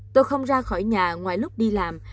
tôi không ra khỏi nhà ngoài lúc đi làm